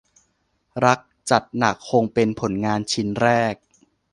รักจัดหนักคงเป็นผลงานชิ้นแรก